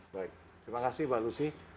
baik terima kasih mbak lucy